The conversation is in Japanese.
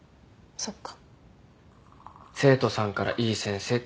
そっか。